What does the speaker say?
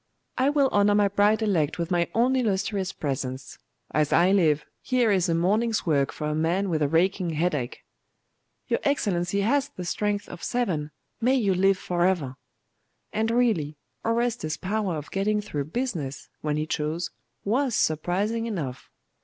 I will honour my bride elect with my own illustrious presence. As I live, here is a morning's work for a man with a racking headache!' 'Your Excellency has the strength of seven. May you live for ever!' And really, Orestes's power of getting through business, when he chose, was surprising enough.